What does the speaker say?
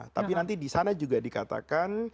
tapi nanti disana juga dikatakan